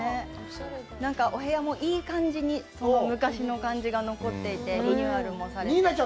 なんかお部屋もいい感じに昔の感じが残っていて、リニューアルもされて。